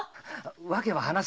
訳は話す。